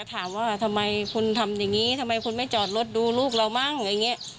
อยากถามว่าทำไมคุณทำอย่างนี้ทำไมคุณไม่จอดรถดูลูกเรามั้ย